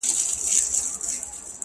• مېنه خالي سي له انسانانو -